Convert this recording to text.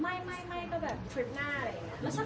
แล้วเขาก็ไม่ก็แบบจะคลิปหน้ายังงั้ง